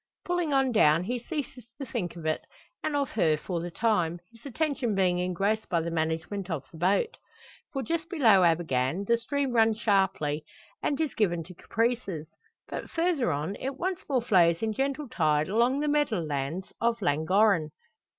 Pulling on down he ceases to think of it, and of her for the time, his attention being engrossed by the management of the boat. For just below Abergann the stream runs sharply, and is given to caprices. But further on, it once more flows in gentle tide along the meadow lands of Llangorren.